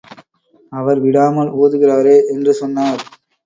அவர் விடாமல் ஊதுகிறாரே —என்று சொன்னார்.